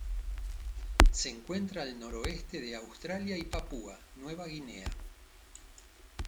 Se encuentra al noroeste de Australia y Papúa Nueva Guinea.